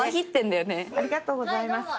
ありがとうございます。